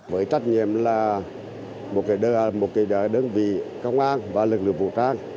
với trách nhiệm là một đơn vị công an và lực lượng vũ trang